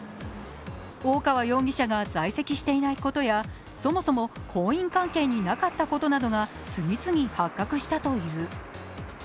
大川容疑者が在籍していないことや、そもそも婚姻関係になかったことなどが次々発覚したという。